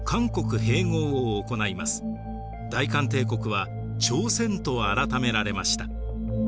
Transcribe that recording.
大韓帝国は朝鮮と改められました。